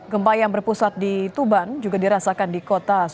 gempa yang berpusat di tuban juga dirasakan di kota